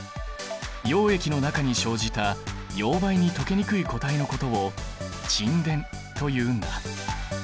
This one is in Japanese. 溶液の中に生じた溶媒に溶けにくい固体のことを沈殿というんだ。